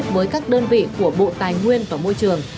với các đơn vị của bộ tài nguyên và môi trường